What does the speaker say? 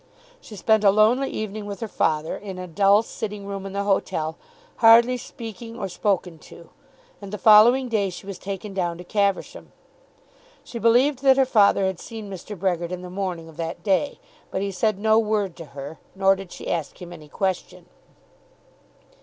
She spent a lonely evening with her father in a dull sitting room in the hotel, hardly speaking or spoken to, and the following day she was taken down to Caversham. She believed that her father had seen Mr. Brehgert on the morning of that day; but he said no word to her, nor did she ask him any question.